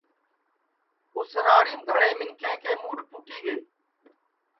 اُس راڑیم گھٹؔے منکھیں کے مُڈؔ پُھٹے تیئے